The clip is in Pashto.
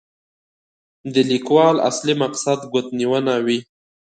د لیکوال اصلي مقصد ګوتنیونه وي.